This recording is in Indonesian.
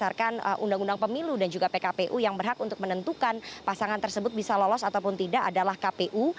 karena memang berdasarkan undang undang pemilu dan juga pkpu yang berhak untuk menentukan pasangan tersebut bisa lolos ataupun tidak adalah kpu